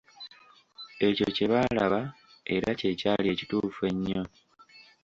Ekyo kye baalaba era kye kyali ekituufu ennyo.